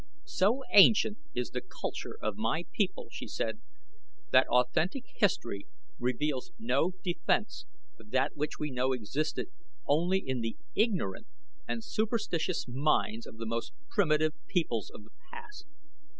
"So ancient is the culture of my people," she said, "that authentic history reveals no defense for that which we know existed only in the ignorant and superstitious minds of the most primitive peoples of the past.